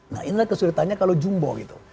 nah inilah kesulitannya kalau jumbo gitu